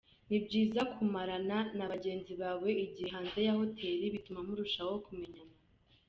Ni byiza kumarana na bagenzi bawe igihe hanze ya hoteli bituma murushaho kumenyana.